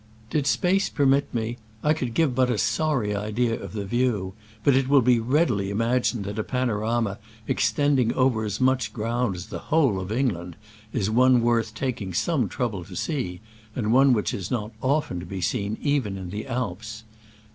Did space permit me, I could give but a sorry idea of the view, but it will be readily imagined that a panorama ex tending over as much ground as the whole of England is one worth taking some trouble to see, and one which is not often to be seen even in the Alps.